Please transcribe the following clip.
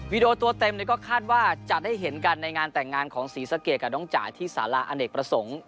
ตัวเต็มก็คาดว่าจะได้เห็นกันในงานแต่งงานของศรีสะเกดกับน้องจ่ายที่สาระอเนกประสงค์